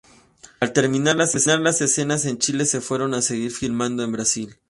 Al terminar las escenas en Chile se fueron a seguir filmando en Brasil.